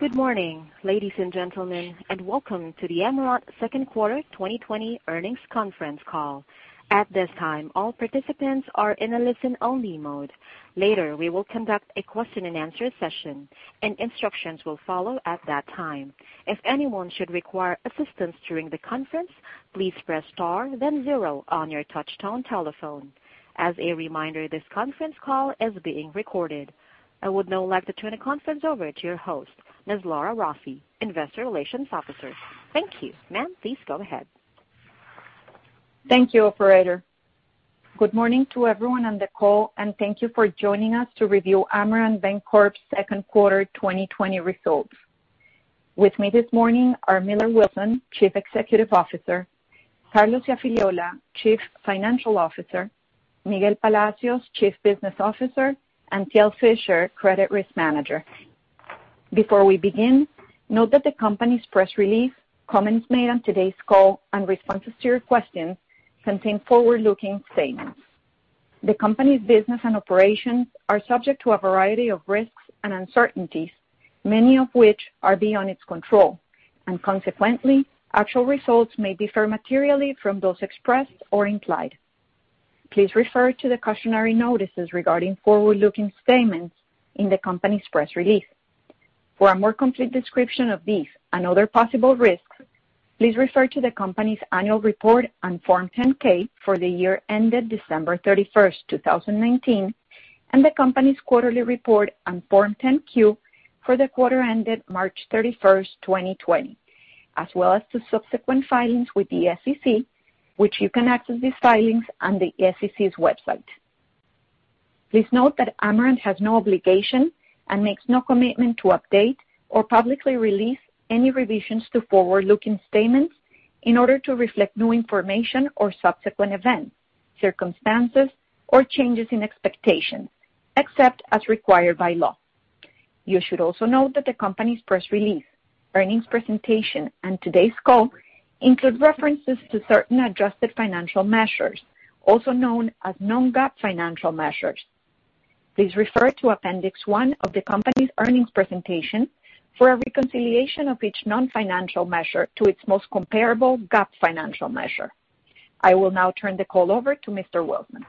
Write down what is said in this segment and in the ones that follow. Good morning, ladies and gentlemen, and welcome to the Amerant second quarter 2020 earnings conference call. At this time, all participants are in a listen-only mode. Later, we will conduct a question and answer session, and instructions will follow at that time. If anyone should require assistance during the conference, please press star then zero on your touchtone telephone. As a reminder, this conference call is being recorded. I would now like to turn the conference over to your host, Ms. Laura Rossi, Investor Relations Officer. Thank you. Ma'am, please go ahead. Thank you, operator. Good morning to everyone on the call, and thank you for joining us to review Amerant Bancorp's second quarter 2020 results. With me this morning are Millar Wilson, Chief Executive Officer, Carlos Iafigliola, Chief Financial Officer, Miguel Palacios, Chief Business Officer, and Thiel Fischer, Credit Risk Manager. Before we begin, note that the company's press release, comments made on today's call, and responses to your questions contain forward-looking statements. The company's business and operations are subject to a variety of risks and uncertainties, many of which are beyond its control. Consequently, actual results may differ materially from those expressed or implied. Please refer to the cautionary notices regarding forward-looking statements in the company's press release. For a more complete description of these and other possible risks, please refer to the company's annual report on Form 10-K, for the year ended December 31st, 2019, and the company's quarterly report on Form 10-Q, for the quarter ended March 31st, 2020. As well as to subsequent filings with the SEC, which you can access these filings on the SEC's website. Please note that Amerant has no obligation and makes no commitment to update or publicly release any revisions to forward-looking statements in order to reflect new information or subsequent events, circumstances, or changes in expectations, except as required by law. You should also note that the company's press release, earnings presentation, and today's call include references to certain adjusted financial measures, also known as non-GAAP financial measures. Please refer to Appendix one of the company's earnings presentation for a reconciliation of each non-financial measure to its most comparable GAAP financial measure. I will now turn the call over to Mr. Wilson.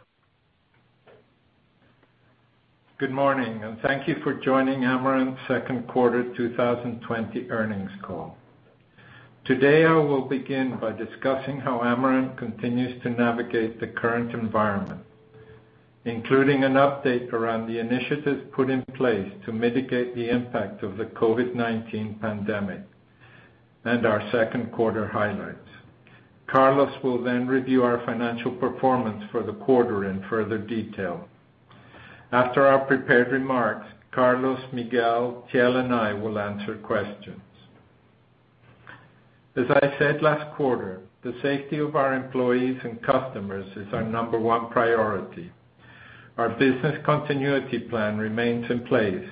Good morning, and thank you for joining Amerant's second quarter 2020 earnings call. Today, I will begin by discussing how Amerant continues to navigate the current environment, including an update around the initiatives put in place to mitigate the impact of the COVID-19 pandemic and our second quarter highlights. Carlos will review our financial performance for the quarter in further detail. After our prepared remarks, Carlos, Miguel, Thiel, and I will answer questions. As I said last quarter, the safety of our employees and customers is our number one priority. Our business continuity plan remains in place,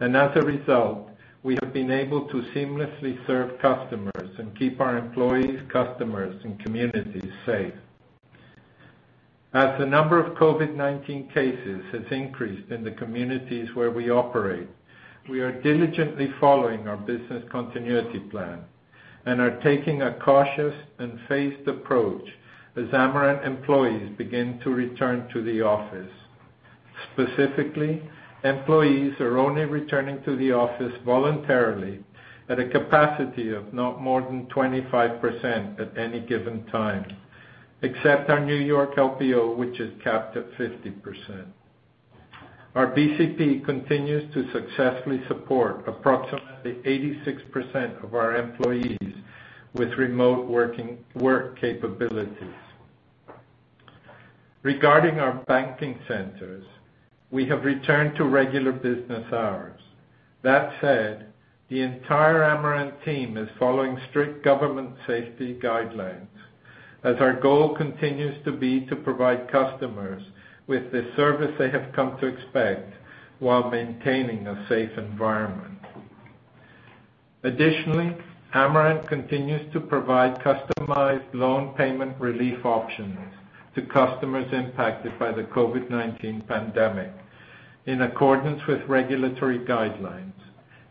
as a result, we have been able to seamlessly serve customers and keep our employees, customers, and communities safe. As the number of COVID-19 cases has increased in the communities where we operate, we are diligently following our business continuity plan and are taking a cautious and phased approach as Amerant employees begin to return to the office. Specifically, employees are only returning to the office voluntarily at a capacity of not more than 25% at any given time, except our New York LPO, which is capped at 50%. Our BCP continues to successfully support approximately 86% of our employees with remote work capabilities. Regarding our banking centers, we have returned to regular business hours. That said, the entire Amerant team is following strict government safety guidelines, as our goal continues to be to provide customers with the service they have come to expect while maintaining a safe environment. Additionally, Amerant continues to provide customized loan payment relief options to customers impacted by the COVID-19 pandemic in accordance with regulatory guidelines,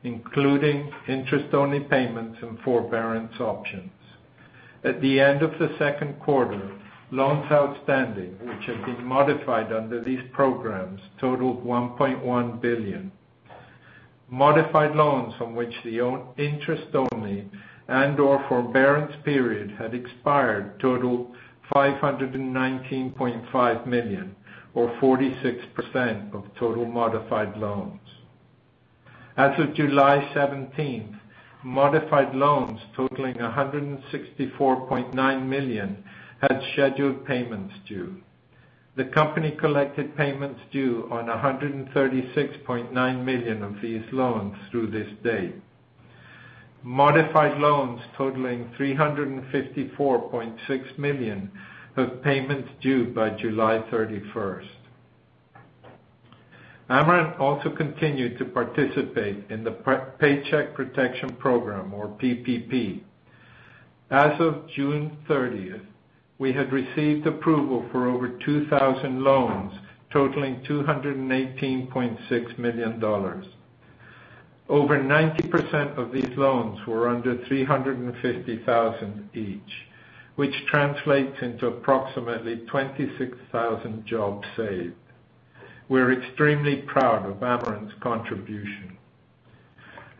including interest-only payments and forbearance options. At the end of the second quarter, loans outstanding, which have been modified under these programs, totaled $1.1 billion. Modified loans on which the interest only and forbearance period had expired totaled $519.5 million, or 46% of total modified loans. As of July 17th, modified loans totaling $164.9 million had scheduled payments due. The company collected payments due on $136.9 million of these loans through this date. Modified loans totaling $354.6 million have payments due by July 31st. Amerant also continued to participate in the Paycheck Protection Program or PPP. As of June 30th, we had received approval for over 2,000 loans totaling $218.6 million. Over 90% of these loans were under $350,000 each, which translates into approximately 26,000 jobs saved. We're extremely proud of Amerant's contribution.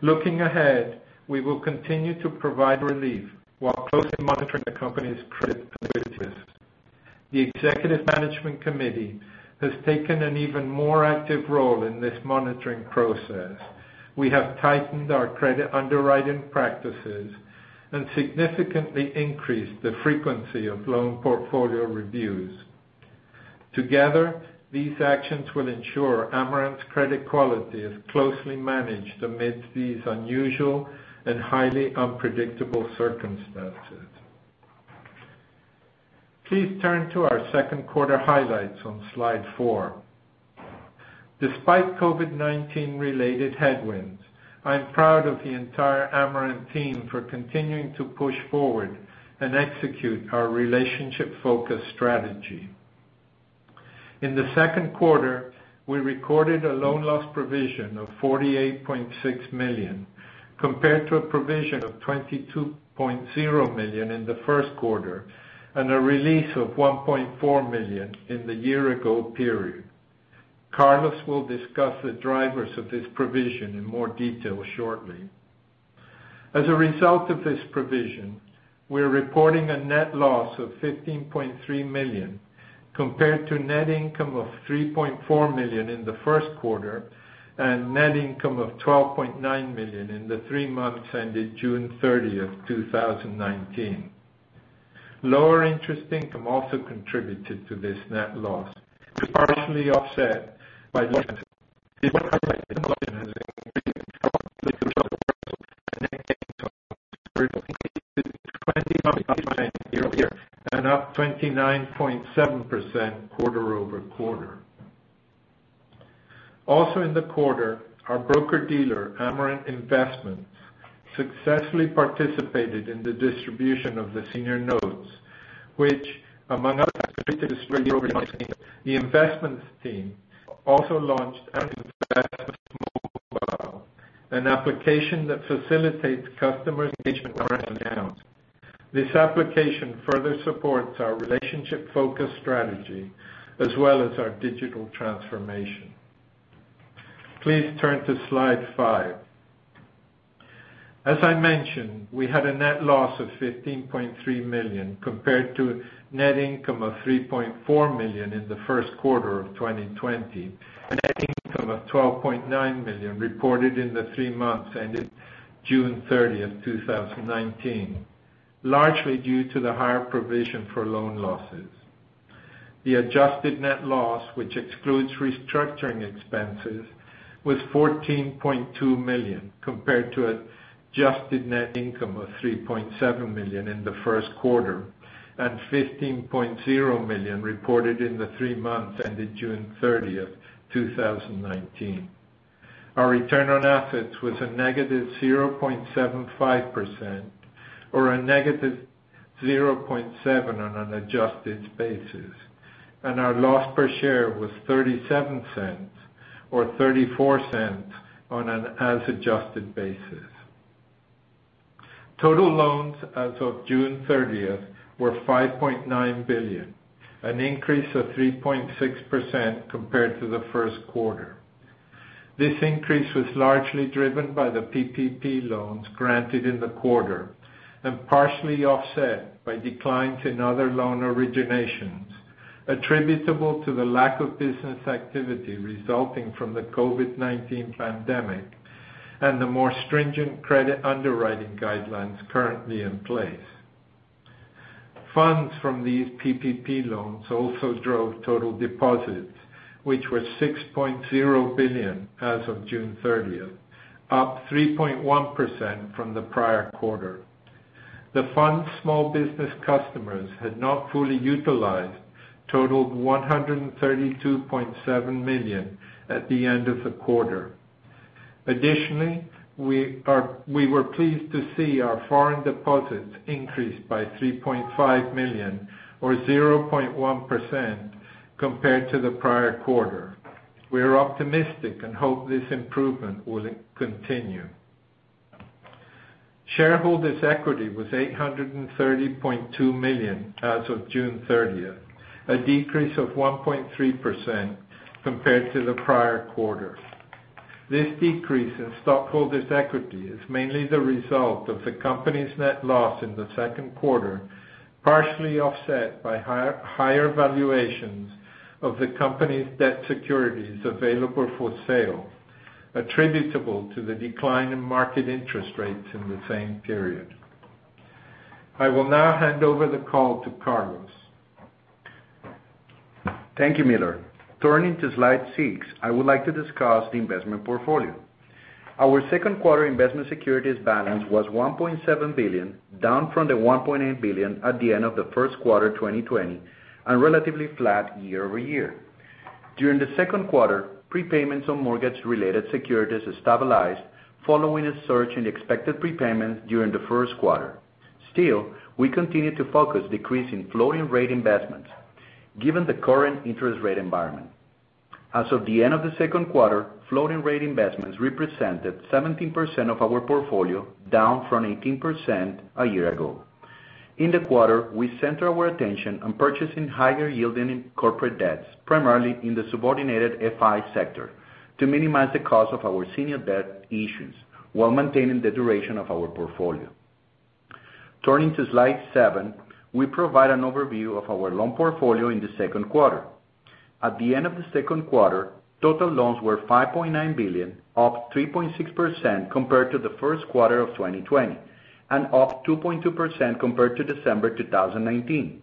Looking ahead, we will continue to provide relief while closely monitoring the company's credit business. The Executive Management Committee has taken an even more active role in this monitoring process. We have tightened our credit underwriting practices and significantly increased the frequency of loan portfolio reviews. Together, these actions will ensure Amerant's credit quality is closely managed amidst these unusual and highly unpredictable circumstances. Please turn to our second quarter highlights on slide four. Despite COVID-19 related headwinds, I'm proud of the entire Amerant team for continuing to push forward and execute our relationship-focused strategy. In the second quarter, we recorded a loan loss provision of $48.6 million, compared to a provision of $22.0 million in the first quarter, and a release of $1.4 million in the year ago period. Carlos will discuss the drivers of this provision in more detail shortly. As a result of this provision, we're reporting a net loss of $15.3 million, compared to net income of $3.4 million in the first quarter, and net income of $12.9 million in the three months ended June 30th, 2019. Lower interest income also contributed to this net loss, which partially offset by. Up 29.7% quarter-over-quarter. Also in the quarter, our broker-dealer, Amerant Investments, successfully participated in the distribution of the senior notes, which, among other, the investments team also launched an, an application that facilitates customer. This application further supports our relationship-focused strategy as well as our digital transformation. Please turn to slide five. As I mentioned, we had a net loss of $15.3 million, compared to net income of $3.4 million in the first quarter of 2020, and net income of $12.9 million reported in the three months ended June 30, 2019, largely due to the higher provision for loan losses. The adjusted net loss, which excludes restructuring expenses, was $14.2 million, compared to adjusted net income of $3.7 million in the first quarter and $15.0 million reported in the three months ended June 30, 2019. Our return on assets was a negative 0.75% or a negative 0.7% on an adjusted basis, and our loss per share was $0.37 or $0.34 on an as-adjusted basis. Total loans as of June 30th were $5.9 billion, an increase of 3.6% compared to the first quarter. This increase was largely driven by the PPP loans granted in the quarter and partially offset by declines in other loan originations attributable to the lack of business activity resulting from the COVID-19 pandemic and the more stringent credit underwriting guidelines currently in place. Funds from these PPP loans also drove total deposits, which were $6.0 billion as of June 30th, up 3.1% from the prior quarter. The funds small business customers had not fully utilized totaled $132.7 million at the end of the quarter. Additionally, we were pleased to see our foreign deposits increase by $3.5 million or 0.1% compared to the prior quarter. We are optimistic and hope this improvement will continue. Shareholders' equity was $830.2 million as of June 30th, a decrease of 1.3% compared to the prior quarter. This decrease in stockholders' equity is mainly the result of the company's net loss in the second quarter, partially offset by higher valuations of the company's debt securities available for sale, attributable to the decline in market interest rates in the same period. I will now hand over the call to Carlos. Thank you, Millar. Turning to slide six, I would like to discuss the investment portfolio. Our second quarter investment securities balance was $1.7 billion, down from the $1.8 billion at the end of the first quarter 2020, and relatively flat year-over-year. During the second quarter, prepayments on mortgage-related securities stabilized following a surge in expected prepayments during the first quarter. Still, we continue to focus on decreasing floating rate investments given the current interest rate environment. As of the end of the second quarter, floating rate investments represented 17% of our portfolio, down from 18% a year ago. In the quarter, we centered our attention on purchasing higher-yielding corporate debts, primarily in the subordinated FI sector, to minimize the cost of our senior debt issues while maintaining the duration of our portfolio. Turning to slide seven, we provide an overview of our loan portfolio in the second quarter. At the end of the second quarter, total loans were $5.9 billion, up 3.6% compared to the first quarter of 2020 and up 2.2% compared to December 2019.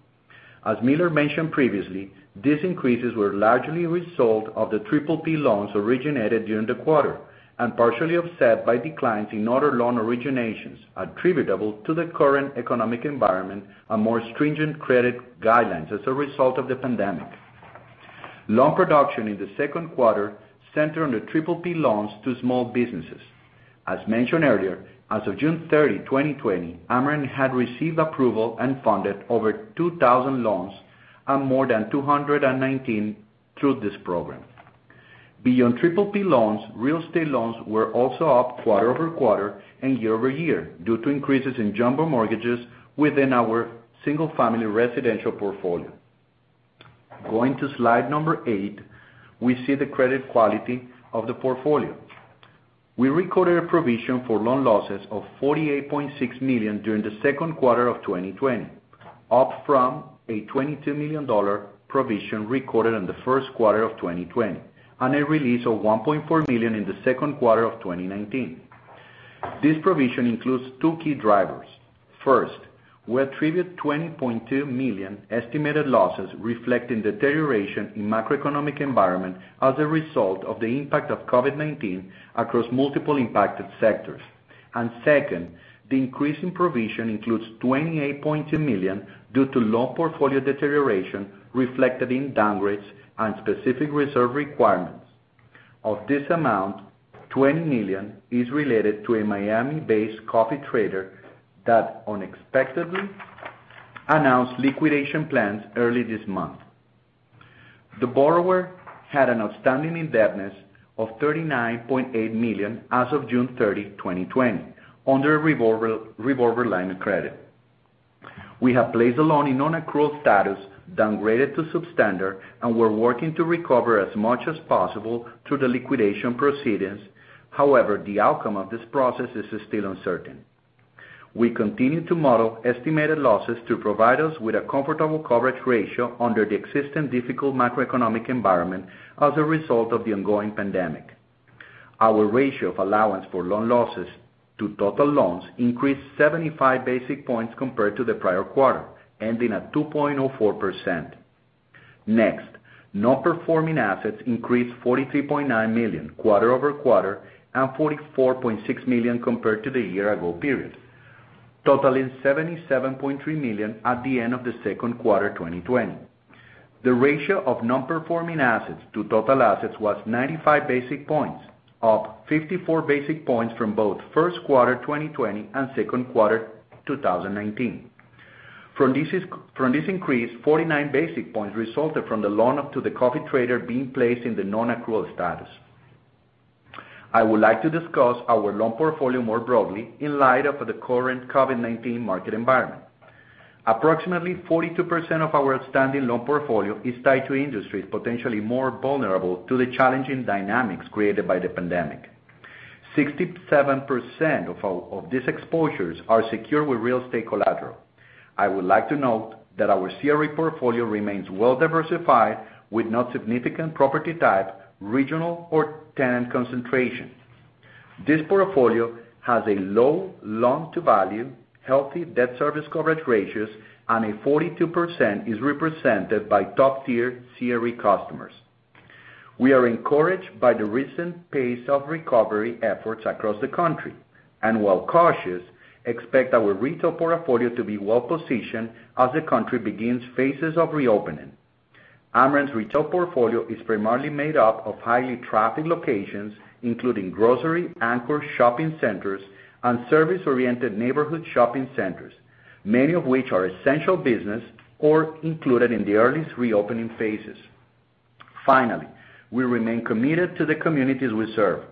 As Millar mentioned previously, these increases were largely a result of the PPP loans originated during the quarter and partially offset by declines in other loan originations attributable to the current economic environment and more stringent credit guidelines as a result of the pandemic. Loan production in the second quarter centered on the PPP loans to small businesses. As mentioned earlier, as of June 30, 2020, Amerant had received approval and funded over 2,000 loans and more than $219 through this program. Beyond PPP loans, real estate loans were also up quarter-over-quarter and year-over-year due to increases in jumbo mortgages within our single-family residential portfolio. Going to slide number eight, we see the credit quality of the portfolio. We recorded a provision for loan losses of $48.6 million during the second quarter of 2020, up from a $22 million provision recorded in the first quarter of 2020, and a release of $1.4 million in the second quarter of 2019. This provision includes two key drivers. First, we attribute $20.2 million estimated losses reflecting deterioration in macroeconomic environment as a result of the impact of COVID-19 across multiple impacted sectors. Second, the increase in provision includes $28.2 million due to loan portfolio deterioration reflected in downgrades and specific reserve requirements. Of this amount, $20 million is related to a Miami-based coffee trader that unexpectedly announced liquidation plans early this month. The borrower had an outstanding indebtedness of $39.8 million as of June 30, 2020, under a revolver line of credit. We have placed the loan in non-accrual status, downgraded to substandard, and we're working to recover as much as possible through the liquidation proceedings. However, the outcome of this process is still uncertain. We continue to model estimated losses to provide us with a comfortable coverage ratio under the existing difficult macroeconomic environment as a result of the ongoing pandemic. Our ratio of allowance for loan losses to total loans increased 75 basis points compared to the prior quarter, ending at 2.04%. Next, non-performing assets increased $43.9 million quarter-over-quarter and $44.6 million compared to the year-ago period, totaling $77.3 million at the end of the second quarter 2020. The ratio of non-performing assets to total assets was 95 basis points, up 54 basis points from both first quarter 2020 and second quarter 2019. From this increase, 49 basis points resulted from the loan to the coffee trader being placed in the non-accrual status. I would like to discuss our loan portfolio more broadly in light of the current COVID-19 market environment. Approximately 42% of our outstanding loan portfolio is tied to industries potentially more vulnerable to the challenging dynamics created by the pandemic. 67% of these exposures are secured with real estate collateral. I would like to note that our CRE portfolio remains well-diversified with no significant property type, regional, or tenant concentration. This portfolio has a low loan-to-value, healthy debt service coverage ratios, and 42% is represented by top-tier CRE customers. We are encouraged by the recent pace of recovery efforts across the country, and while cautious, expect our retail portfolio to be well-positioned as the country begins phases of reopening. Amerant's retail portfolio is primarily made up of highly trafficked locations, including grocery anchor shopping centers and service-oriented neighborhood shopping centers, many of which are essential business or included in the earliest reopening phases. Finally, we remain committed to the communities we serve,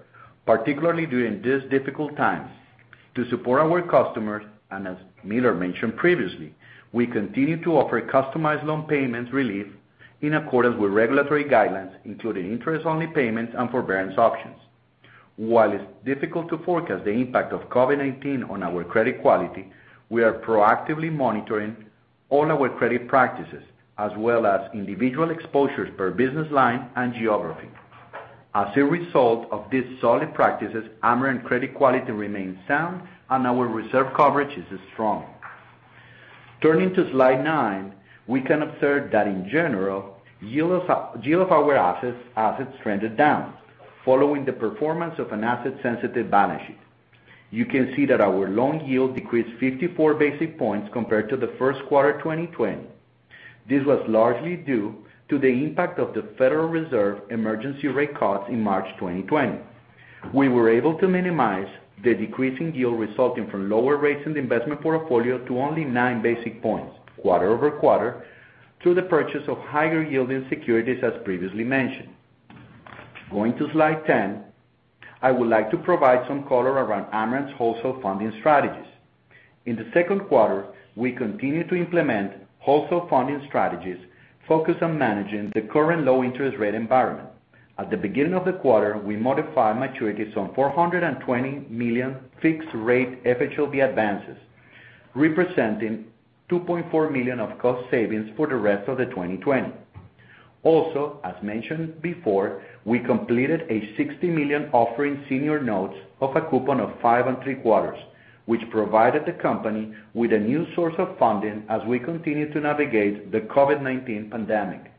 particularly during these difficult times. To support our customers, and as Millar mentioned previously, we continue to offer customized loan payments relief in accordance with regulatory guidelines, including interest-only payments and forbearance options. While it's difficult to forecast the impact of COVID-19 on our credit quality, we are proactively monitoring all our credit practices as well as individual exposures per business line and geography. As a result of these solid practices, Amerant credit quality remains sound and our reserve coverage is strong. Turning to slide nine, we can observe that in general, yield of our assets trended down following the performance of an asset-sensitive balance sheet. You can see that our loan yield decreased 54 basis points compared to the first quarter 2020. This was largely due to the impact of the Federal Reserve emergency rate cuts in March 2020. We were able to minimize the decrease in yield resulting from lower rates in the investment portfolio to only nine basis points quarter-over-quarter through the purchase of higher-yielding securities, as previously mentioned. Going to slide 10, I would like to provide some color around Amerant's wholesale funding strategies. In the second quarter, we continued to implement wholesale funding strategies focused on managing the current low interest rate environment. At the beginning of the quarter, we modified maturities on 420 million fixed-rate FHLB advances, representing $2.4 million of cost savings for the rest of the 2020. Also, as mentioned before, we completed a $60 million offering senior notes of a coupon of 5.75%, which provided the company with a new source of funding as we continue to navigate the COVID-19 pandemic.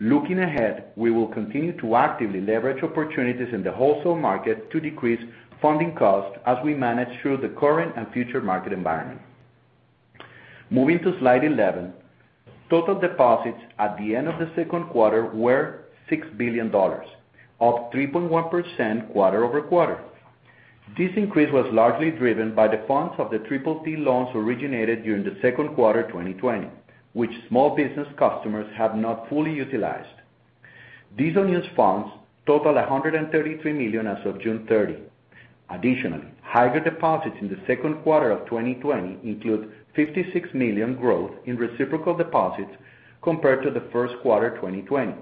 Looking ahead, we will continue to actively leverage opportunities in the wholesale market to decrease funding costs as we manage through the current and future market environment. Moving to slide 11, total deposits at the end of the second quarter were $6 billion, up 3.1% quarter-over-quarter. This increase was largely driven by the funds of the PPP loans originated during the second quarter 2020, which small business customers have not fully utilized. These unused funds total $133 million as of June 30. Additionally, higher deposits in the second quarter of 2020 include $56 million growth in reciprocal deposits compared to the first quarter 2020,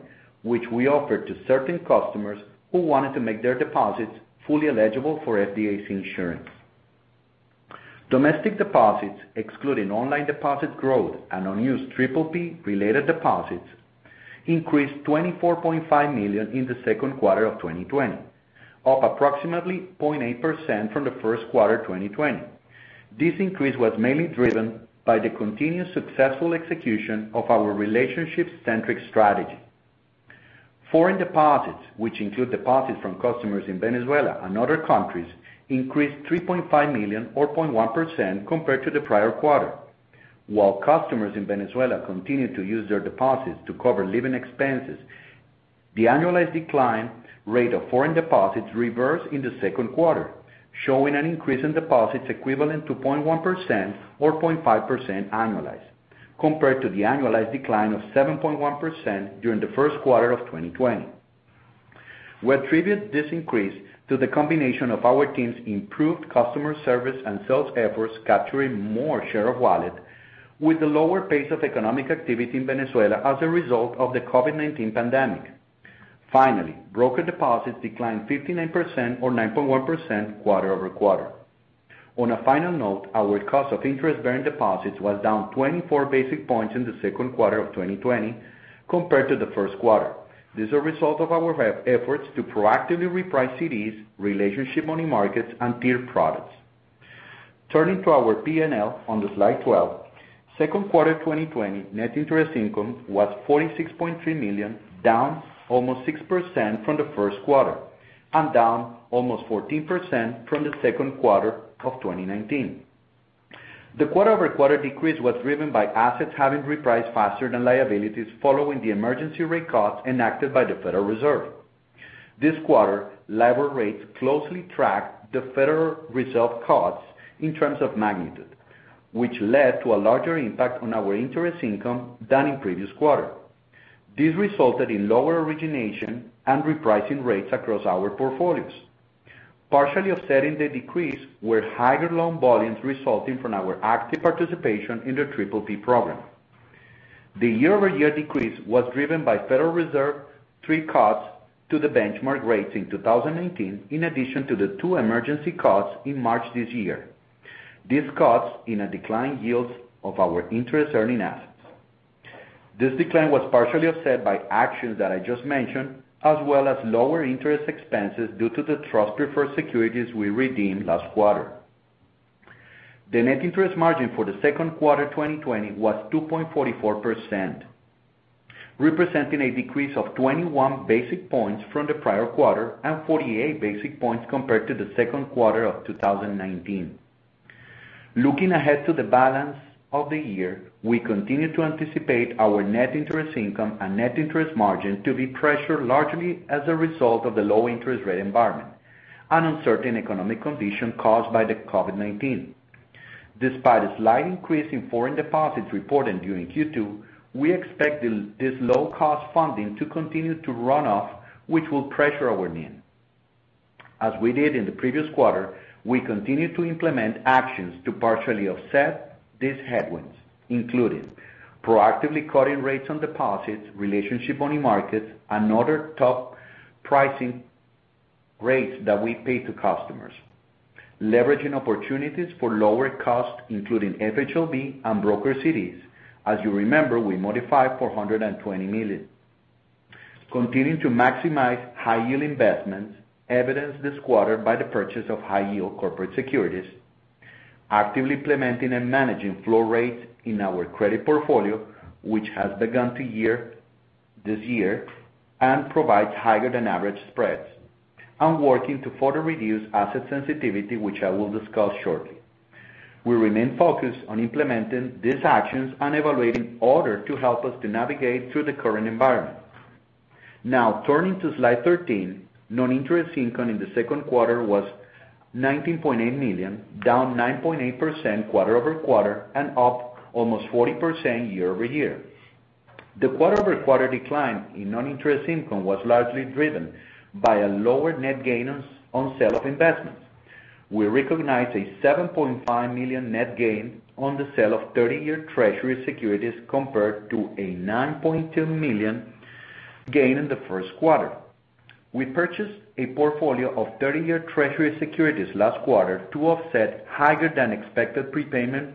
which we offered to certain customers who wanted to make their deposits fully eligible for FDIC insurance. Domestic deposits, excluding online deposit growth and unused PPP-related deposits, increased $24.5 million in the second quarter of 2020, up approximately 0.8% from the first quarter 2020. This increase was mainly driven by the continued successful execution of our relationship-centric strategy. Foreign deposits, which include deposits from customers in Venezuela and other countries, increased $3.5 million or 0.1% compared to the prior quarter. While customers in Venezuela continued to use their deposits to cover living expenses, the annualized decline rate of foreign deposits reversed in the second quarter, showing an increase in deposits equivalent to 0.1% or 0.5% annualized, compared to the annualized decline of 7.1% during the first quarter of 2020. We attribute this increase to the combination of our team's improved customer service and sales efforts capturing more share of wallet with the lower pace of economic activity in Venezuela as a result of the COVID-19 pandemic. Finally, broker deposits declined 59% or 9.1% quarter-over-quarter. On a final note, our cost of interest-bearing deposits was down 24 basis points in the second quarter of 2020 compared to the first quarter. This is a result of our efforts to proactively reprice CDs, Relationship Money Markets, and tier products. Turning to our P&L on the slide 12, second quarter 2020 net interest income was $46.3 million, down almost 6% from the first quarter and down almost 14% from the second quarter of 2019. The quarter-over-quarter decrease was driven by assets having repriced faster than liabilities following the emergency rate cuts enacted by the Federal Reserve. This quarter, LIBOR rates closely tracked the Federal Reserve cuts in terms of magnitude, which led to a larger impact on our interest income than in previous quarter. This resulted in lower origination and repricing rates across our portfolios. Partially offsetting the decrease were higher loan volumes resulting from our active participation in the PPP program. The year-over-year decrease was driven by Federal Reserve three cuts to the benchmark rates in 2019, in addition to the two emergency cuts in March this year. These cuts in a decline yields of our interest-earning assets. This decline was partially offset by actions that I just mentioned, as well as lower interest expenses due to the trust preferred securities we redeemed last quarter. The net interest margin for the second quarter 2020 was 2.44%, representing a decrease of 21 basis points from the prior quarter and 48 basis points compared to the second quarter of 2019. Looking ahead to the balance of the year, we continue to anticipate our net interest income and net interest margin to be pressured largely as a result of the low interest rate environment and uncertain economic condition caused by the COVID-19. Despite a slight increase in foreign deposits reported during Q2, we expect this low-cost funding to continue to run off, which will pressure our NIM. As we did in the previous quarter, we continue to implement actions to partially offset these headwinds, including proactively cutting rates on deposits, Relationship Money Markets, and other top pricing rates that we pay to customers, leveraging opportunities for lower cost, including FHLB and broker CDs, continuing to maximize high-yield investments evidenced this quarter by the purchase of high-yield corporate securities, and actively implementing and managing flow rates in our credit portfolio, which has begun this year and provides higher than average spreads, and working to further reduce asset sensitivity, which I will discuss shortly. As you remember, we modified $420 million. We remain focused on implementing these actions and evaluating order to help us to navigate through the current environment. Turning to slide 13, non-interest income in the second quarter was $19.8 million, down 9.8% quarter-over-quarter and up almost 40% year-over-year. The quarter-over-quarter decline in non-interest income was largely driven by a lower net gain on sale of investments. We recognized a $7.5 million net gain on the sale of 30-year Treasury securities compared to a $9.2 million gain in the first quarter. We purchased a portfolio of 30-year Treasury securities last quarter to offset higher than expected prepayment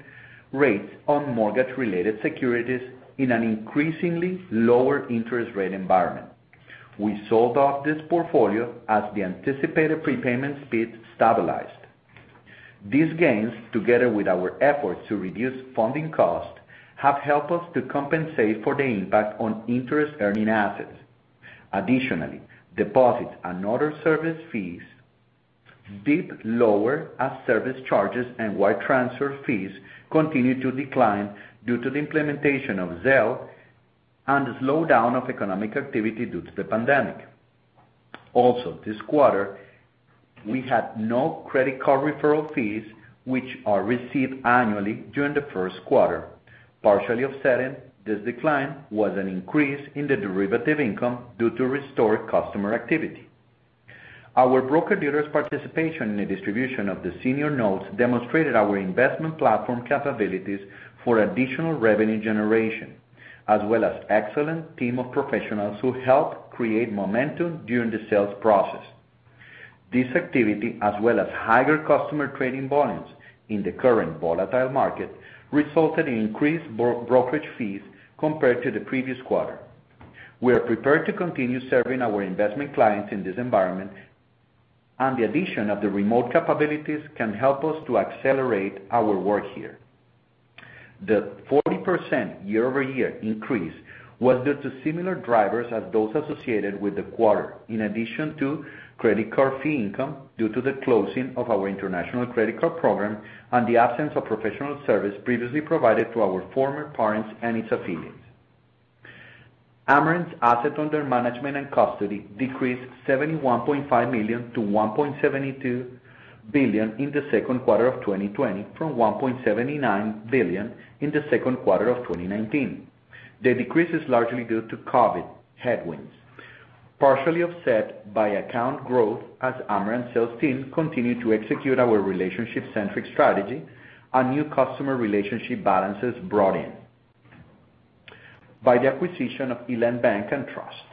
rates on mortgage-related securities in an increasingly lower interest rate environment. We sold off this portfolio as the anticipated prepayment speed stabilized. These gains, together with our efforts to reduce funding costs, have helped us to compensate for the impact on interest-earning assets. Additionally, deposits and other service fees dipped lower as service charges and wire transfer fees continued to decline due to the implementation of Zelle and the slowdown of economic activity due to the pandemic. This quarter, we had no credit card referral fees which are received annually during the first quarter. Partially offsetting this decline was an increase in the derivative income due to restored customer activity. Our broker-dealer's participation in the distribution of the senior notes demonstrated our investment platform capabilities for additional revenue generation, as well as excellent team of professionals who helped create momentum during the sales process. This activity, as well as higher customer trading volumes in the current volatile market, resulted in increased brokerage fees compared to the previous quarter. We are prepared to continue serving our investment clients in this environment, and the addition of the remote capabilities can help us to accelerate our work here. The 40% year-over-year increase was due to similar drivers as those associated with the quarter. In addition to credit card fee income due to the closing of our international credit card program and the absence of professional service previously provided to our former parents and its affiliates. Amerant's assets under management and custody decreased $71.5 million to $1.72 billion in the second quarter of 2020 from $1.79 billion in the second quarter of 2019. The decrease is largely due to COVID headwinds, partially offset by account growth as Amerant sales team continued to execute our relationship-centric strategy and new customer relationship balances brought in by the acquisition of Elant Bank and Trust.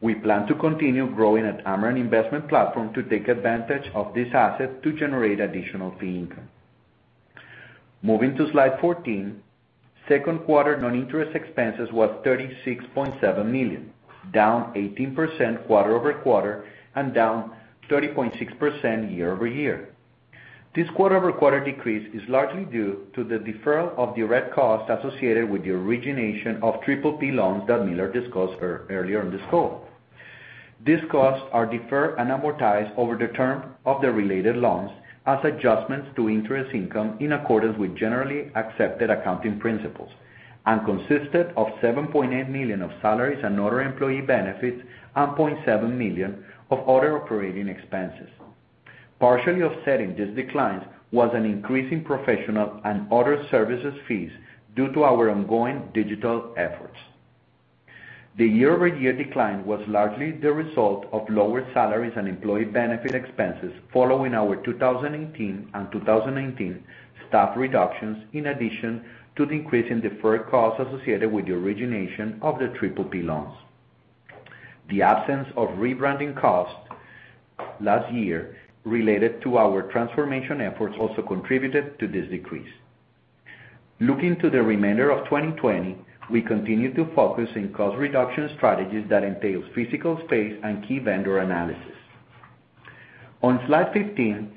We plan to continue growing at Amerant investment platform to take advantage of this asset to generate additional fee income. Moving to slide 14, second quarter non-interest expenses was $36.7 million, down 18% quarter-over-quarter and down 30.6% year-over-year. This quarter-over-quarter decrease is largely due to the deferral of direct costs associated with the origination of PPP loans that Millar discussed earlier in this call. These costs are deferred and amortized over the term of the related loans as adjustments to interest income in accordance with generally accepted accounting principles and consisted of $7.8 million of salaries and other employee benefits and $0.7 million of other operating expenses. Partially offsetting this decline was an increase in professional and other services fees due to our ongoing digital efforts. The year-over-year decline was largely the result of lower salaries and employee benefit expenses following our 2018 and 2019 staff reductions, in addition to the increase in deferred costs associated with the origination of the PPP loans. The absence of rebranding costs last year related to our transformation efforts also contributed to this decrease. Looking to the remainder of 2020, we continue to focus on cost reduction strategies that entail physical space and key vendor analysis. On slide 15,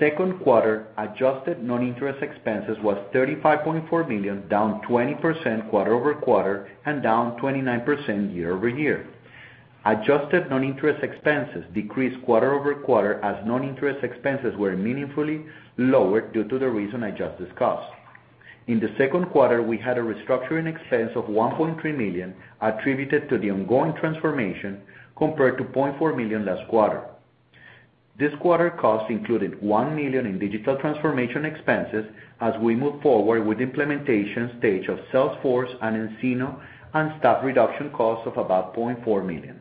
second quarter adjusted non-interest expenses were $35.4 million, down 20% quarter-over-quarter and down 29% year-over-year. Adjusted non-interest expenses decreased quarter-over-quarter as non-interest expenses were meaningfully lower due to the reason I just discussed. In the second quarter, we had a restructuring expense of $1.3 million attributed to the ongoing transformation compared to $0.4 million last quarter. This quarter costs included $1 million in digital transformation expenses as we move forward with the implementation stage of Salesforce and nCino and staff reduction costs of about $0.4 million.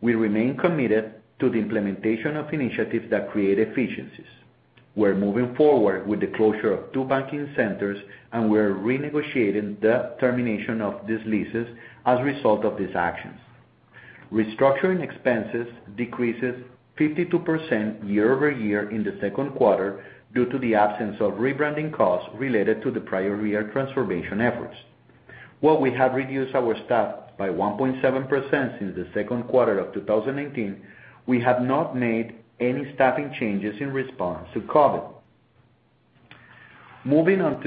We remain committed to the implementation of initiatives that create efficiencies. We're moving forward with the closure of two banking centers, and we are renegotiating the termination of these leases as a result of these actions. Restructuring expenses decreased 52% year-over-year in the second quarter due to the absence of rebranding costs related to the prior year transformation efforts. While we have reduced our staff by 1.7% since the second quarter of 2018, we have not made any staffing changes in response to COVID-19. Moving on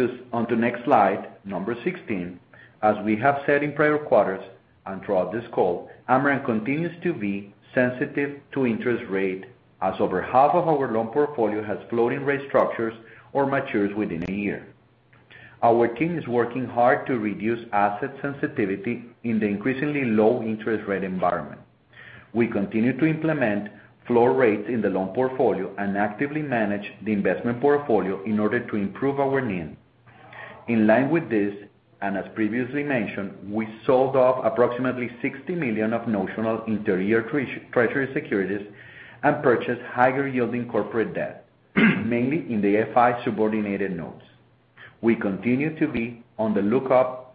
to next slide number 16. As we have said in prior quarters and throughout this call, Amerant continues to be sensitive to interest rate, as over half of our loan portfolio has floating-rate structures or matures within a year. Our team is working hard to reduce asset sensitivity in the increasingly low interest rate environment. We continue to implement floor rates in the loan portfolio and actively manage the investment portfolio in order to improve our NIM. In line with this, and as previously mentioned, we sold off approximately $60 million of notional interior treasury securities and purchased higher yielding corporate debt, mainly in the FI subordinated notes. We continue to be on the lookout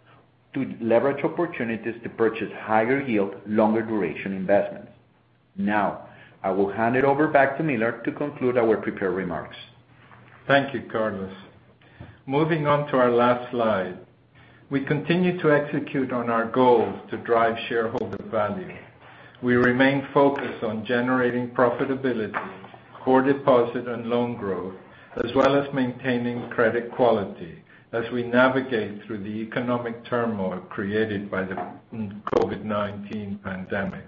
to leverage opportunities to purchase higher yield, longer duration investments. Now, I will hand it over back to Millar to conclude our prepared remarks. Thank you, Carlos. Moving on to our last slide. We continue to execute on our goals to drive shareholder value. We remain focused on generating profitability, core deposit and loan growth, as well as maintaining credit quality as we navigate through the economic turmoil created by the COVID-19 pandemic.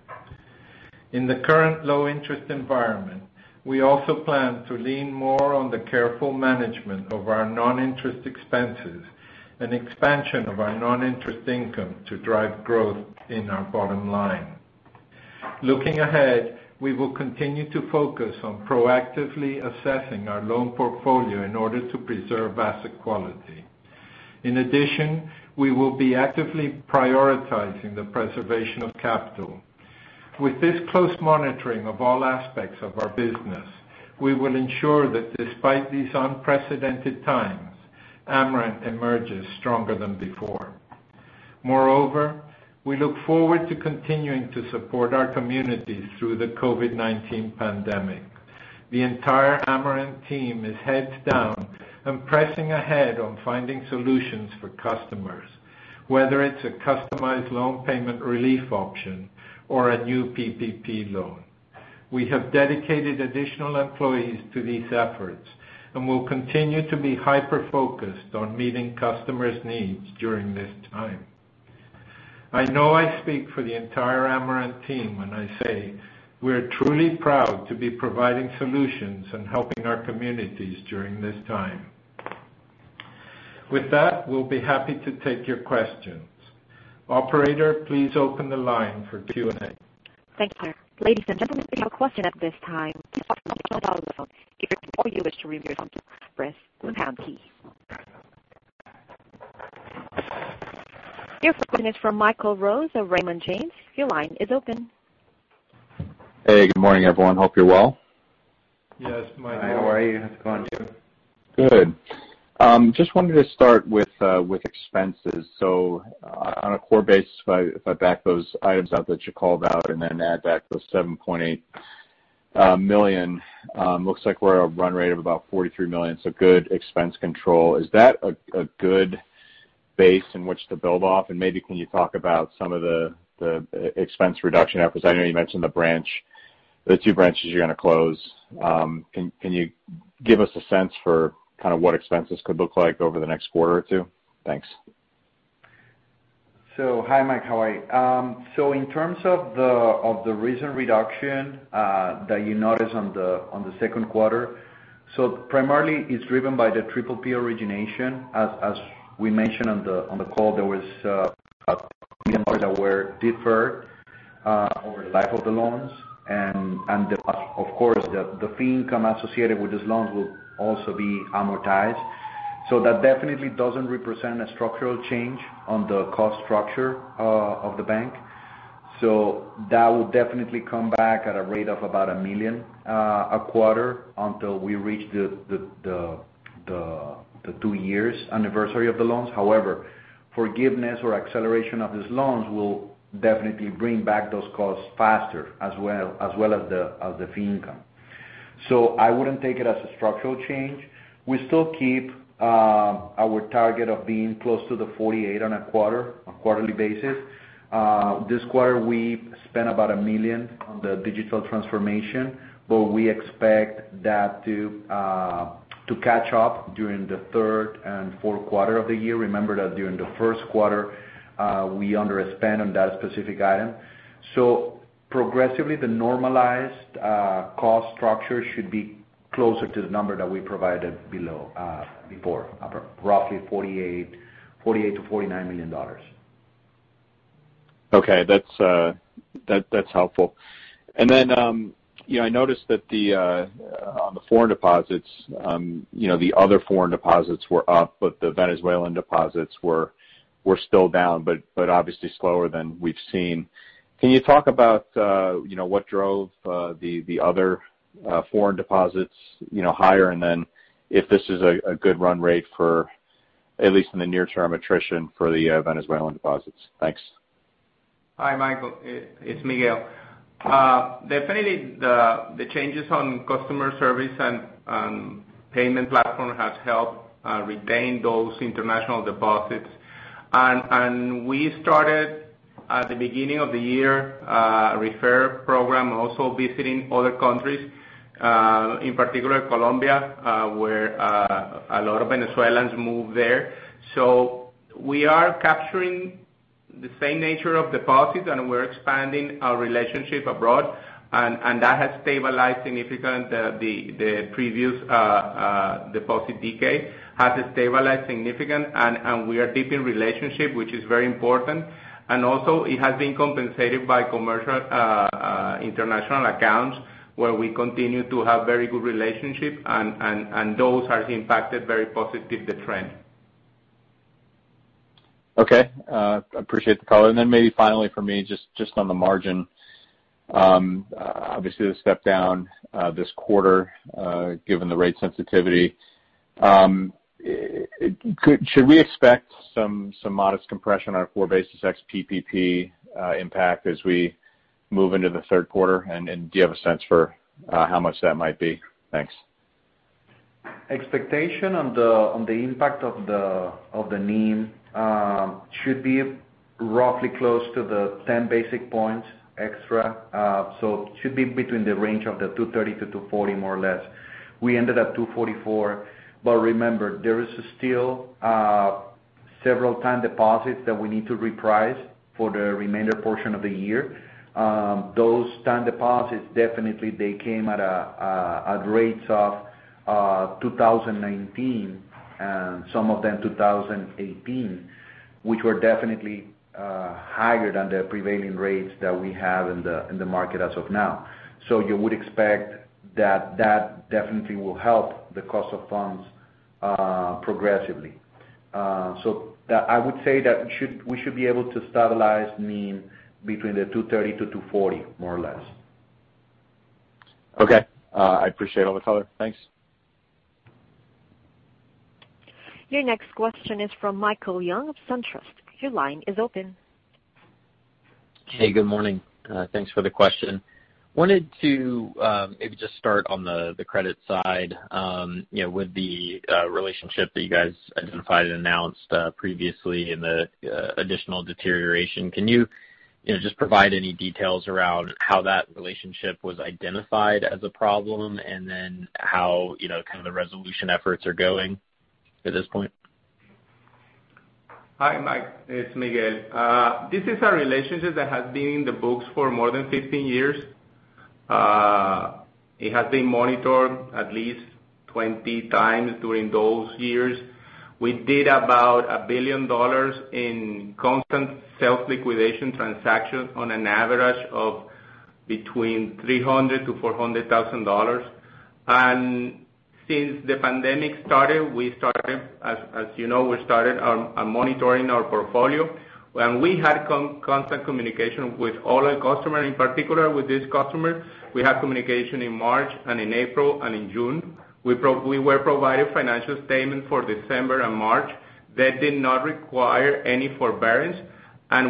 In the current low interest environment, we also plan to lean more on the careful management of our non-interest expenses and expansion of our non-interest income to drive growth in our bottom line. Looking ahead, we will continue to focus on proactively assessing our loan portfolio in order to preserve asset quality. We will be actively prioritizing the preservation of capital. With this close monitoring of all aspects of our business, we will ensure that despite these unprecedented times, Amerant emerges stronger than before. We look forward to continuing to support our communities through the COVID-19 pandemic. The entire Amerant team is heads down and pressing ahead on finding solutions for customers, whether it's a customized loan payment relief option or a new PPP loan. We have dedicated additional employees to these efforts and will continue to be hyper-focused on meeting customers' needs during this time. I know I speak for the entire Amerant team when I say we're truly proud to be providing solutions and helping our communities during this time. With that, we'll be happy to take your questions. Operator, please open the line for Q&A. Thanks, Millar. Ladies and gentlemen, for your question at this time, please press star key on the phone. If you no more wish to remove your question, press pound key. Your first question is from Michael Rose of Raymond James. Your line is open. Hey, good morning, everyone. Hope you're well. Yes, Michael. Hi, how are you? How's it going? Good. Just wanted to start with expenses. On a core basis, if I back those items out that you called out and then add back those $7.8 million, looks like we're at a run rate of about $43 million. Is that a good base in which to build off? Maybe can you talk about some of the expense reduction efforts? I know you mentioned the two branches you're going to close. Can you give us a sense for what expenses could look like over the next quarter or two? Thanks. Hi, Mike. How are you? In terms of the recent reduction that you notice on the second quarter, so primarily it's driven by the PPP origination. As we mentioned on the call, there was $1 billion that were deferred over the life of the loans. Of course, the fee income associated with these loans will also be amortized. That definitely doesn't represent a structural change on the cost structure of the bank. That will definitely come back at a rate of about $1 million a quarter until we reach the two years anniversary of the loans. However, forgiveness or acceleration of these loans will definitely bring back those costs faster, as well as the fee income. I wouldn't take it as a structural change. We still keep our target of being close to the 48% on a quarterly basis. This quarter, we spent about $1 million on the digital transformation, but we expect that to catch up during the third and fourth quarter of the year. Remember that during the first quarter, we underspent on that specific item. Progressively, the normalized cost structure should be closer to the number that we provided before, roughly $48 million-$49 million. Okay. That's helpful. I noticed that on the foreign deposits, the other foreign deposits were up, but the Venezuelan deposits were still down, but obviously slower than we've seen. Can you talk about what drove the other foreign deposits higher, and then if this is a good run rate for at least in the near term attrition for the Venezuelan deposits? Thanks. Hi, Michael, it's Miguel. Definitely, the changes on customer service and payment platform has helped retain those international deposits. We started at the beginning of the year, a refer program, also visiting other countries, in particular Colombia, where a lot of Venezuelans move there. We are capturing the same nature of deposits, we're expanding our relationship abroad, that has stabilized significant, the previous deposit decay has stabilized significant, we are deepening relationship, which is very important. Also it has been compensated by commercial international accounts, where we continue to have very good relationships, those has impacted very positive the trend. Okay. I appreciate the color. Maybe finally for me, just on the margin. Obviously, the step down this quarter, given the rate sensitivity. Should we expect some modest compression on a four basis ex PPP impact as we move into the third quarter? Do you have a sense for how much that might be? Thanks. Expectation on the impact of the NIM should be roughly close to the 10 basis points extra. It should be between the range of the 2.30%-2.40%, more or less. We ended at 2.44%. Remember, there is still several time deposits that we need to reprice for the remainder portion of the year. Those time deposits, definitely they came at rates of 2019, and some of them 2018, which were definitely higher than the prevailing rates that we have in the market as of now. You would expect that definitely will help the cost of funds progressively. I would say that we should be able to stabilize NIM between the 2.30%-2.40%, more or less. Okay. I appreciate all the color. Thanks. Your next question is from Michael Young of SunTrust. Your line is open. Hey, good morning. Thanks for the question. Wanted to maybe just start on the credit side, with the relationship that you guys identified and announced previously in the additional deterioration. Can you just provide any details around how that relationship was identified as a problem, and then how kind of the resolution efforts are going at this point? Hi, Mike. It's Miguel. This is a relationship that has been in the books for more than 15 years. It has been monitored at least 20 times during those years. We did about $1 billion in constant self-liquidation transactions on an average of between $300,000-$400,000. Since the pandemic started, as you know, we started monitoring our portfolio. When we had constant communication with all our customers, in particular with this customer, we had communication in March and in April and in June. We were provided financial statement for December and March that did not require any forbearance,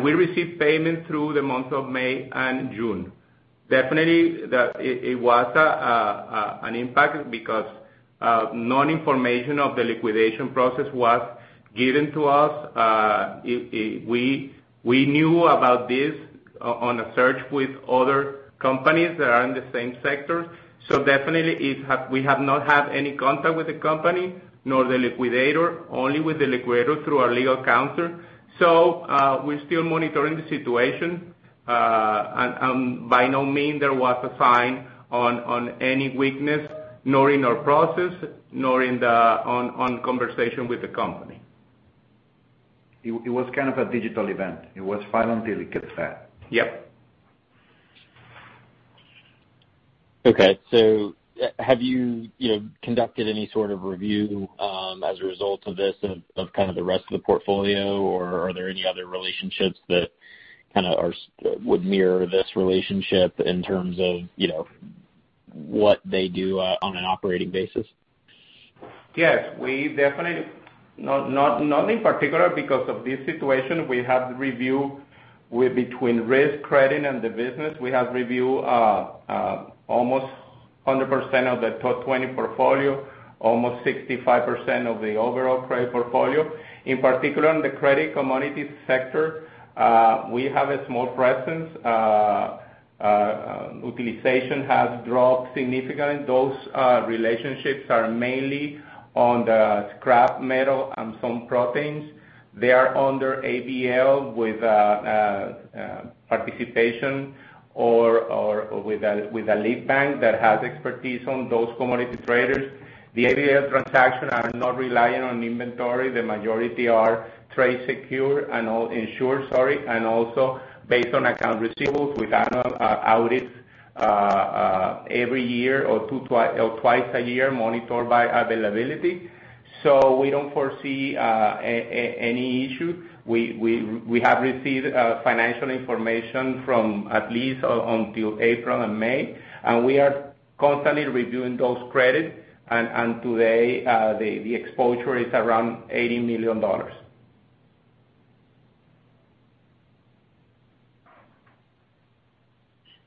we received payment through the month of May and June. Definitely, it was an impact because no information of the liquidation process was given to us. We knew about this on a search with other companies that are in the same sector. Definitely, we have not had any contact with the company, nor the liquidator, only with the liquidator through our legal counsel. We're still monitoring the situation. By no means there was a sign on any weakness, nor in our process, nor on conversation with the company. It was kind of a digital event. It was fine until it gets bad. Yep. Okay, have you conducted any sort of review as a result of this, of kind of the rest of the portfolio, or are there any other relationships that kind of would mirror this relationship in terms of what they do on an operating basis? Yes. We definitely, not in particular because of this situation, we have reviewed between risk, credit, and the business. We have reviewed almost 100% of the top 20 portfolio, almost 65% of the overall credit portfolio. In particular, in the credit commodities sector, we have a small presence. Utilization has dropped significantly. Those relationships are mainly on the scrap metal and some proteins. They are under ABL with participation or with a lead bank that has expertise on those commodity traders. The ABL transactions are not reliant on inventory. The majority are trade secure and all insured, sorry, and also based on account receivables with annual audits every year or twice a year, monitored by availability. We don't foresee any issue. We have received financial information from at least until April and May, we are constantly reviewing those credits. Today, the exposure is around $80 million.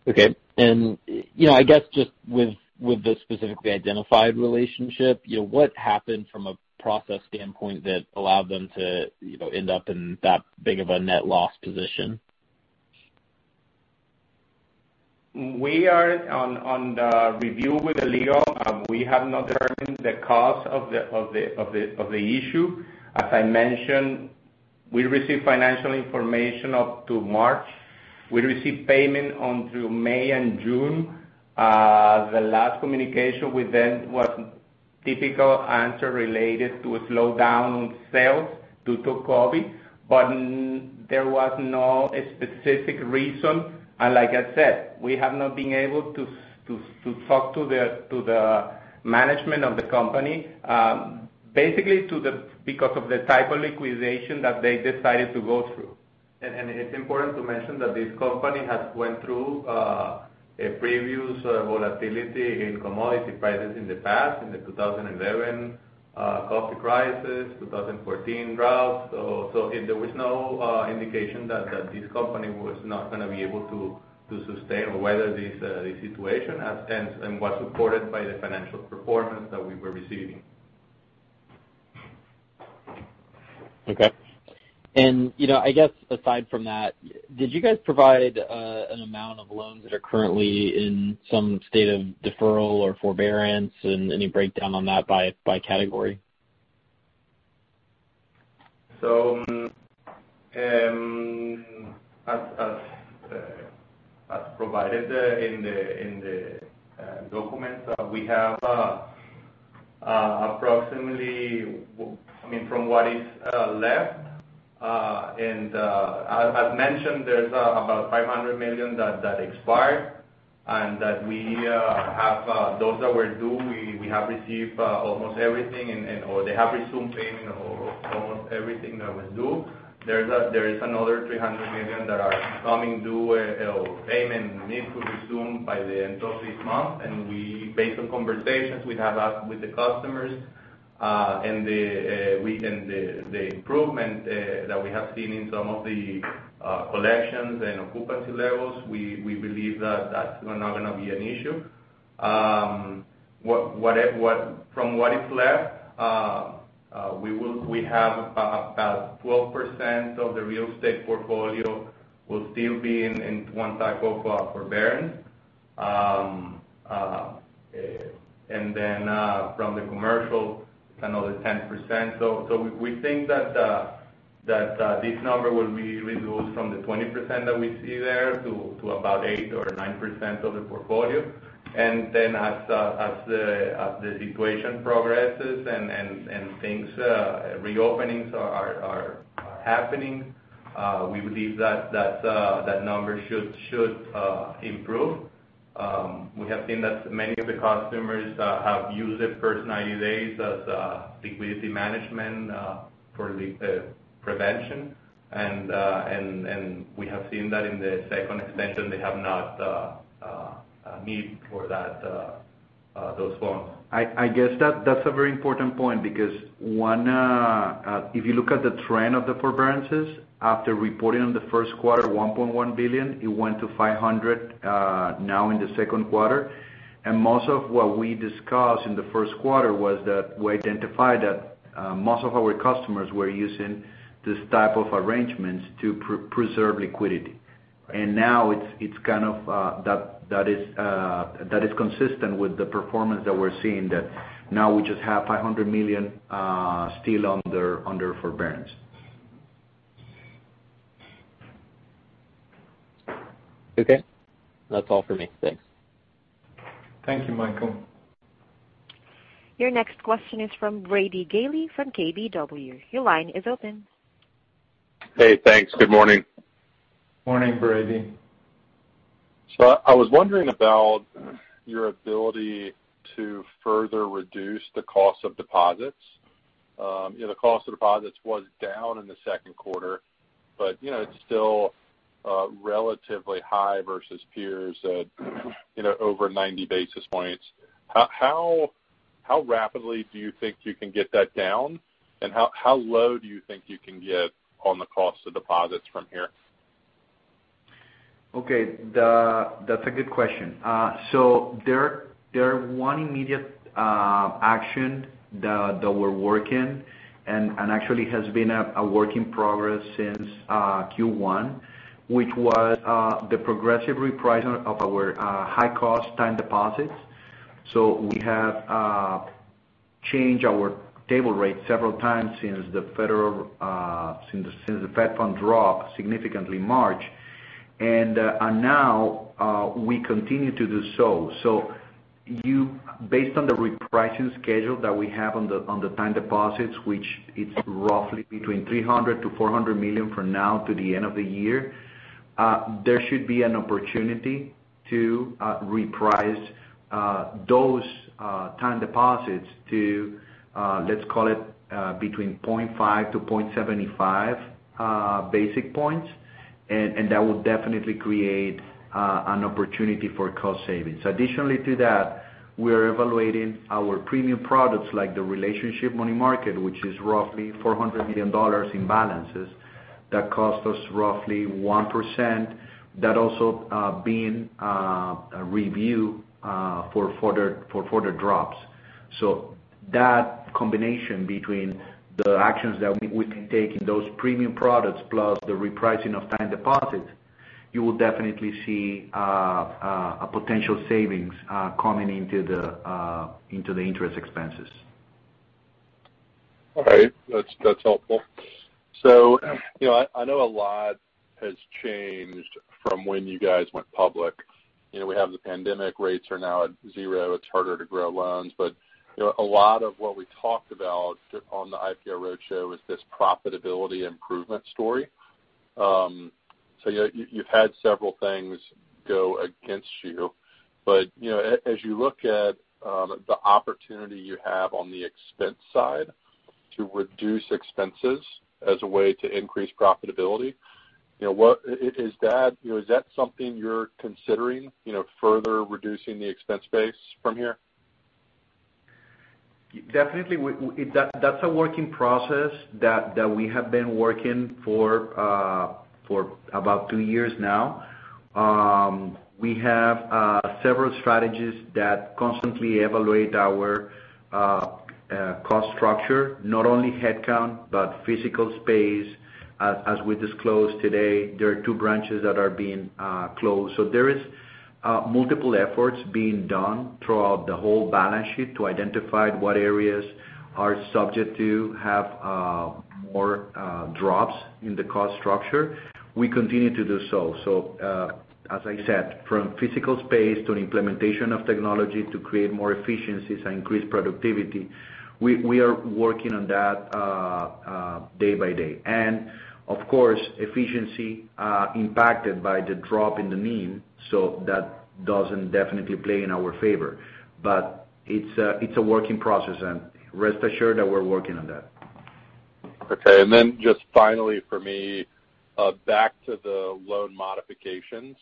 Okay. I guess just with the specifically identified relationship, what happened from a process standpoint that allowed them to end up in that big of a net loss position? We are on the review with the legal. We have not determined the cause of the issue. As I mentioned, we received financial information up to March. We received payment on through May and June. The last communication with them was typical answer related to a slowdown on sales due to COVID-19, but there was no specific reason. Like I said, we have not been able to talk to the management of the company basically because of the type of liquidation that they decided to go through. It's important to mention that this company has went through a previous volatility in commodity prices in the past, in the 2011 coffee crisis, 2014 drought. There was no indication that this company was not going to be able to sustain or weather this situation, and was supported by the financial performance that we were receiving. Okay. I guess aside from that, did you guys provide an amount of loans that are currently in some state of deferral or forbearance, and any breakdown on that by category? As provided in the documents, we have approximately, from what is left, and as mentioned, there's about $500 million that expired and that we have those that were due. We have received almost everything, or they have resumed payment on almost everything that was due. There is another $300 million that are becoming due, or payment needs to resume by the end of this month. Based on conversations we have had with the customers, and the improvement that we have seen in some of the collections and occupancy levels, we believe that's not going to be an issue. From what is left, we have about 12% of the real estate portfolio will still be in some type of forbearance. From the commercial, another 10%. We think that this number will be reduced from the 20% that we see there to about 8% or 9% of the portfolio. As the situation progresses and reopenings are happening, we believe that number should improve. We have seen that many of the customers have used the first 90 days as liquidity management for prevention. We have seen that in the second extension, they have not needed those loans. I guess that's a very important point because, one, if you look at the trend of the forbearances, after reporting on the first quarter, $1.1 billion, it went to $500 million now in the second quarter. Most of what we discussed in the first quarter was that we identified that most of our customers were using this type of arrangements to preserve liquidity. Now that is consistent with the performance that we're seeing, that now we just have $500 million still under forbearance. Okay. That's all for me. Thanks. Thank you, Michael. Your next question is from Brady Gailey from KBW. Your line is open. Hey, thanks. Good morning. Morning, Brady. I was wondering about your ability to further reduce the cost of deposits. The cost of deposits was down in the second quarter, but it's still relatively high versus peers at over 90 basis points. How rapidly do you think you can get that down, and how low do you think you can get on the cost of deposits from here? Okay. That's a good question. There is one immediate action that we're working, and actually has been a work in progress since Q1, which was the progressive repricing of our high-cost time deposits. We have changed our table rate several times since the Fed funds dropped significantly in March. Now we continue to do so. Based on the repricing schedule that we have on the time deposits, which it's roughly between $300 million-$400 million from now to the end of the year, there should be an opportunity. To reprice those time deposits to, let's call it between 0.5 to 0.75 basis points. That will definitely create an opportunity for cost savings. Additionally to that, we are evaluating our premium products like the Relationship Money Market, which is roughly $400 million in balances. That costs us roughly 1%. That is also being reviewed for further drops. That combination between the actions that we can take in those premium products plus the repricing of time deposit, you will definitely see a potential savings coming into the interest expenses. All right. That's helpful. I know a lot has changed from when you guys went public. We have the pandemic, rates are now at zero, it's harder to grow loans, but a lot of what we talked about on the IPO roadshow was this profitability improvement story. You've had several things go against you, but as you look at the opportunity you have on the expense side to reduce expenses as a way to increase profitability, is that something you're considering, further reducing the expense base from here? Definitely. That's a working process that we have been working for about two years now. We have several strategies that constantly evaluate our cost structure, not only headcount, but physical space. As we disclosed today, there are two branches that are being closed. There is multiple efforts being done throughout the whole balance sheet to identify what areas are subject to have more drops in the cost structure. We continue to do so. As I said, from physical space to implementation of technology to create more efficiencies and increase productivity, we are working on that day by day. Of course, efficiency impacted by the drop in the NIM, that doesn't definitely play in our favor. It's a working process, and rest assured that we're working on that. Okay, just finally for me, back to the loan modifications.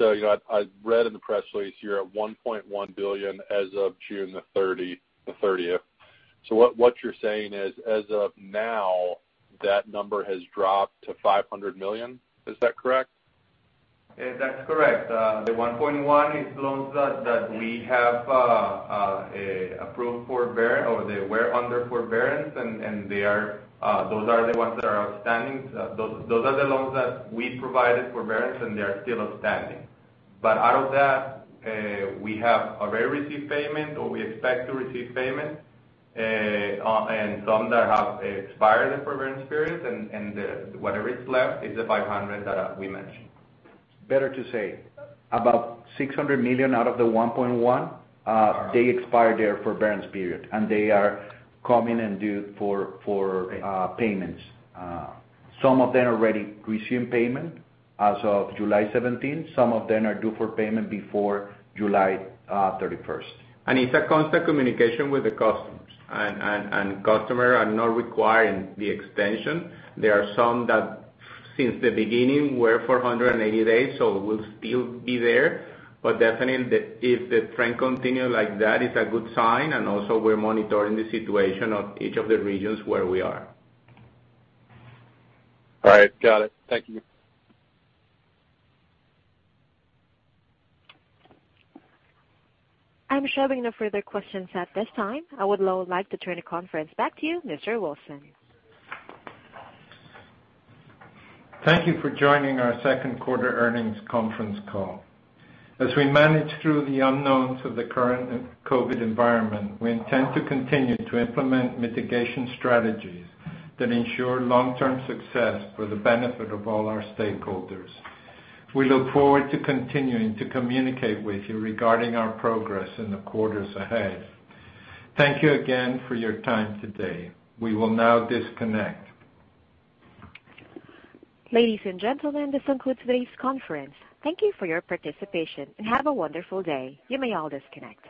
I read in the press release you're at $1.1 billion as of June the 30th. What you're saying is as of now, that number has dropped to $500 million? Is that correct? That's correct. The $1.1 is loans that we have approved forbearance or they were under forbearance, and those are the ones that are outstanding. Those are the loans that we provided forbearance, and they are still outstanding. Out of that, we have already received payment or we expect to receive payment, and some that have expired the forbearance period, and whatever is left is the $500 that we mentioned. Better to say, about $600 million out of the 1.1 they expired their forbearance period, and they are coming and due for payments. Some of them already received payment as of July 17. Some of them are due for payment before July 31st. It's a constant communication with the customers. Customer are not requiring the extension. There are some that since the beginning were for 180 days, so will still be there. Definitely, if the trend continue like that, it's a good sign, and also we're monitoring the situation of each of the regions where we are. All right. Got it. Thank you. I'm showing no further questions at this time. I would now like to turn the conference back to you, Mr. Wilson. Thank you for joining our second quarter earnings conference call. As we manage through the unknowns of the current COVID-19 environment, we intend to continue to implement mitigation strategies that ensure long-term success for the benefit of all our stakeholders. We look forward to continuing to communicate with you regarding our progress in the quarters ahead. Thank you again for your time today. We will now disconnect. Ladies and gentlemen, this concludes today's conference. Thank you for your participation, and have a wonderful day. You may all disconnect.